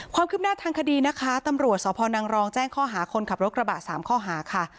ความคืบหน้าทางคดีนะคะตำรวจสพนังรองแจ้งข้อหาคนขับรถกระบะ๓ข้อหาค่ะ